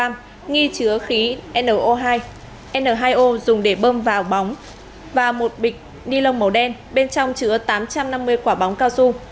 hai bình khí n hai o dùng để bơm vào bóng và một bịch nilon màu đen bên trong chứa tám trăm năm mươi quả bóng cao su